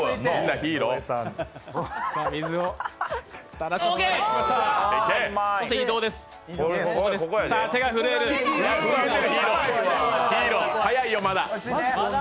ヒーロー、早いよ、まだ。